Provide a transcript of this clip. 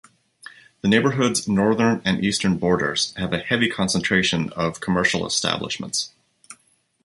The neighborhood's northern and eastern borders have a heavy concentration of commercial establishments.